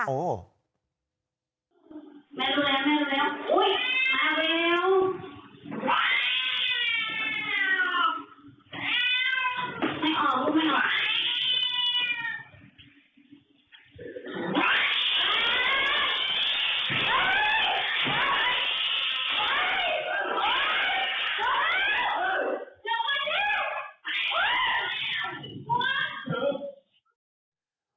แมวดูแล้วแมวดูแล้วโอ้ยแมวแมว